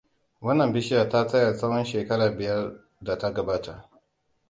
Wannan bishiyar ta tsaya tsawan shekera biyar data gabata.